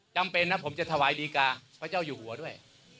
จำเป็นนะผมจะถวายดีกาพระเจ้าอยู่หัวด้วย